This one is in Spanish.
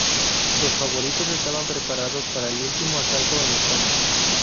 Los favoritos estaban preparados para el último asalto en España.